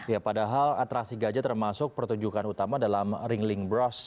ya padahal atrasi gajah termasuk pertunjukan utama dalam ringling bross